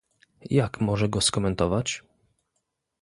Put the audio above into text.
Jak może go skomentować?